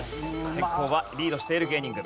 先攻はリードしている芸人軍。